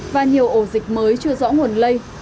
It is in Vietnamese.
và nhiều ổ dịch mới chưa rõ nguồn lây